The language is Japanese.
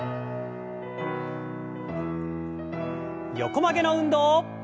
横曲げの運動。